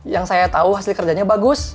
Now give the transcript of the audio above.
yang saya tahu hasil kerjanya bagus